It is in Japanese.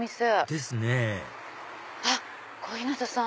ですね小日向さん。